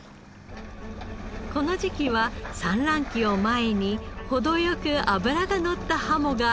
この時期は産卵期を前に程良く脂がのったハモが揚がります。